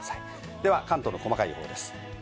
では、関東の細かい予報です。